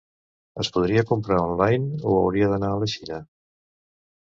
Es podria comprar online o hauria d'anar a la Xina?